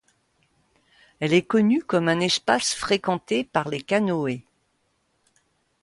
Elle est connue comme un espace fréquenté par les canoës.